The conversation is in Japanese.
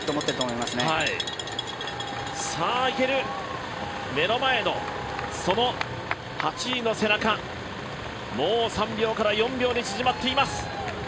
いける、目の前のその８位の背中もう３秒から４秒に縮まっています。